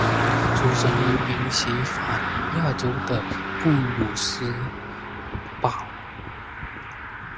出生于宾夕法尼亚州的布卢姆斯堡。